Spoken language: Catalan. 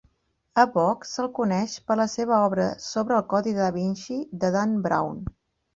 A Bock se'l coneix per la seva obra sobre el "Codi de Da Vinci" de Dan Brown.